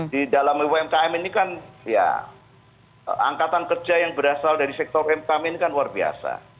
di dalam umkm ini kan ya angkatan kerja yang berasal dari sektor umkm ini kan luar biasa